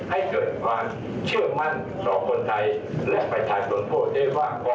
ให้เกิดความเชื่อมั่นต่อคนไทยและไปถ่ายผลโทษได้ว่า